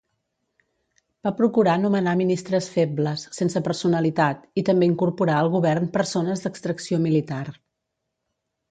Va procurar nomenar ministres febles, sense personalitat, i també incorporà al govern persones d'extracció militar.